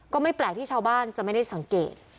ก็ไม่แปลกที่ชาวบ้านจะไม่ได้สังเกต